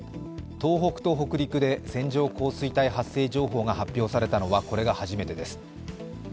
東北と北陸で線状降水帯発生情報が発表されたのは、これが初めてです。